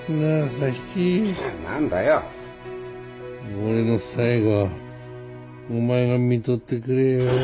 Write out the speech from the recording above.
俺の最期はお前がみとってくれよ。